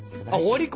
終わり？